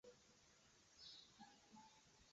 首先要确定主尺度系数和外形轮廓等初始条件。